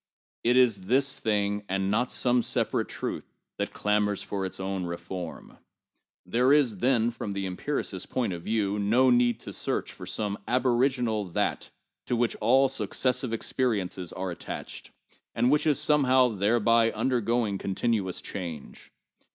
It is this thing, and not some separate truth, which clamors for its own reform. There is, then, from the empiricist's point of view, no need to search for some aboriginal that to which all successive experiences are attached, and which is somehow thereby undergoing continuous change.